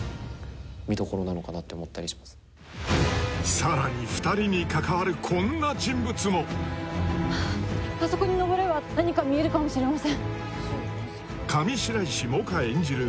さらに２人に関わるこんな人物もあそこにのぼれば何か見えるかもしれません上白石萌歌演じる